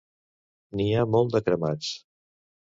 N'hi ha molts de cremats.